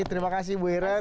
terima kasih bu iren